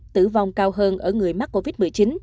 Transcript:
tử vong cao hơn ở người mắc covid một mươi chín